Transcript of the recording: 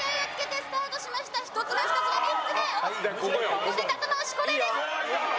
ここで立て直しこれです。